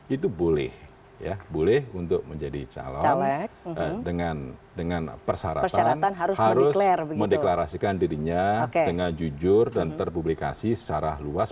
itu boleh untuk menjadi calon dengan persyaratan harus mendeklarasikan dirinya dengan jujur dan terpublikasi secara luas